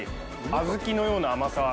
小豆のような甘さ。